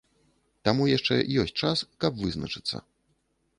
Таму яшчэ ёсць час, каб вызначыцца.